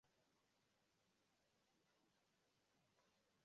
Vilevile maliwali wa Kirumi waliowekwa pengine kutawala nchi au sehemu fulani